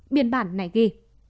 biên bản này ghi